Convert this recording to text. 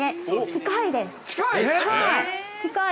近いです。